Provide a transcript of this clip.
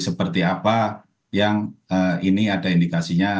seperti apa yang ini ada indikasinya